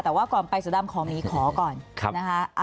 แต่ว่าก่อนไปเสือดำขอหมีขอก่อนนะคะ